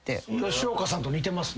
吉岡さんと似てますね。